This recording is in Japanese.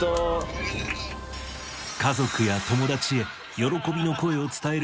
家族や友達へ喜びの声を伝えるメンバーたち